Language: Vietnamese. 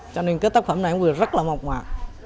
cho nên cái tác phẩm này của rất là mộc mạc